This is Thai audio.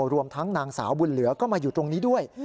รวมทั้งนางสาวบุญเหลือก็มาอยู่ตรงนี้ด้วย